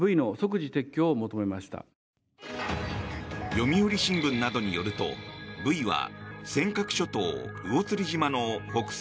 読売新聞などによるとブイは尖閣諸島・魚釣島の北西